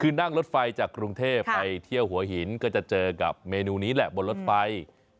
คือนั่งรถไฟจากกรุงเทพไปเที่ยวหัวหินก็จะเจอกับเมนูนี้แหละบนรถไฟ